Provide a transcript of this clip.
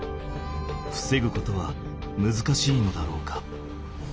ふせぐことは難しいのだろうか？